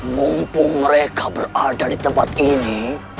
mumpung mereka berada di tempat ini